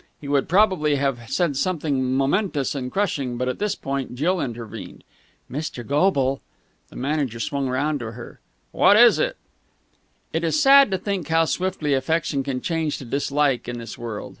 He would probably have said something momentous and crushing, but at this point Jill intervened. "Mr. Goble." The manager swung round on her. "What is it?" It is sad to think how swiftly affection can change to dislike in this world.